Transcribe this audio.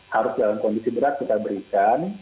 harus dalam kondisi berat kita berikan